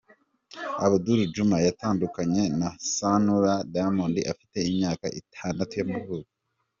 Abdul Juma yatandukanye na Sanura, Diamond afite imyaka itandatu y’amavuko.